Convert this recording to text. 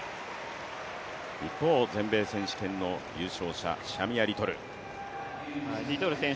全米選手権の優勝者、シャミア・リトル。